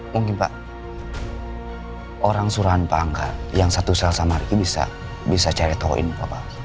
mungkin pak orang suruhan pangkal yang satu sel sama riki bisa bisa ceritain apa apa